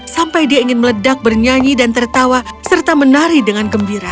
sampai dia ingin meledak bernyanyi dan tertawa serta menari dengan gembira